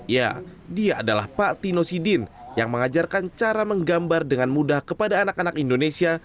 ya dia adalah pak tino sidin yang mengajarkan cara menggambar dengan mudah kepada anak anak indonesia